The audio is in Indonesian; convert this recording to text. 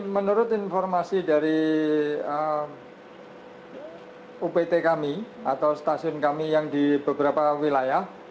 menurut informasi dari upt kami atau stasiun kami yang di beberapa wilayah